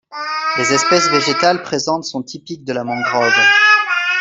Les espèces végétales présentes sont typiques de la mangrove.